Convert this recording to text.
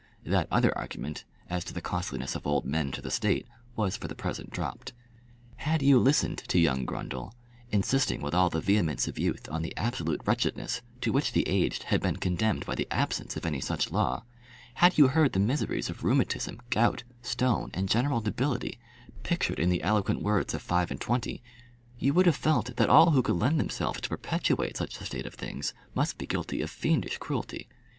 That other argument as to the costliness of old men to the state was for the present dropped. Had you listened to young Grundle, insisting with all the vehemence of youth on the absolute wretchedness to which the aged had been condemned by the absence of any such law, had you heard the miseries of rheumatism, gout, stone, and general debility pictured in the eloquent words of five and twenty, you would have felt that all who could lend themselves to perpetuate such a state of things must be guilty of fiendish cruelty.